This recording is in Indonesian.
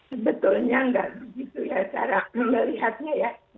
sebetulnya nggak begitu ya cara melihatnya ya